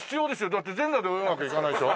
だって全裸で泳ぐわけにいかないでしょ？